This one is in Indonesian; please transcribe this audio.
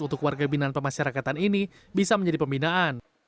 untuk warga binaan pemasyarakatan ini bisa menjadi pembinaan